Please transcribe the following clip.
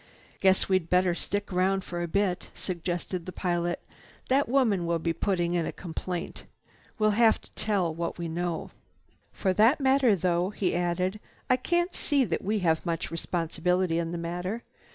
"Guess we'd better stick around for a bit," suggested the pilot. "That woman will be putting in a complaint. We'll have to tell what we know. "For that matter, though," he added, "I can't see that we have much responsibility in the matter.